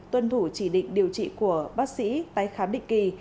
tuân thủ chỉ định điều trị của bác sĩ tái khám định kỳ